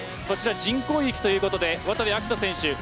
こちら、人工雪ということで渡部暁斗選手